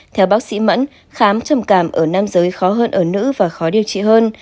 theo bác sĩ mẫn khám trầm cảm ở nam giới khó hơn ở nữ và khó điều trị hơn